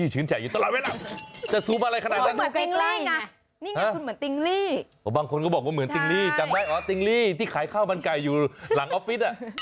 คุณยุ่แซมมากเครียมอร์มไปเมฆไน